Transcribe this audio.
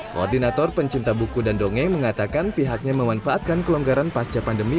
koordinator pencinta buku dan dongeng mengatakan pihaknya memanfaatkan kelonggaran pasca pandemi